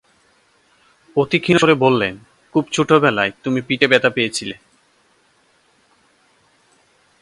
অতি ক্ষীণ স্বরে বললেন, খুব ছােটবেলায় তুমি পিঠে ব্যথা পেয়েছিলে।